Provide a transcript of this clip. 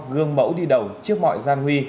gương mẫu đi đầu trước mọi gian huy